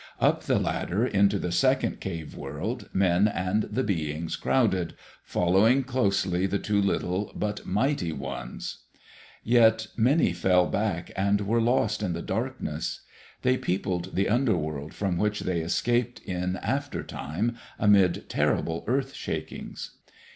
Up the ladder into the second cave world, men and the beings crowded, following closely the Two Little but Mighty Ones. Yet many fell back and were lost in the darkness. They peopled the under world from which they escaped in after time, amid terrible earth shakings.